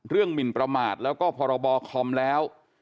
หมินประมาทแล้วก็พรบคอมแล้ว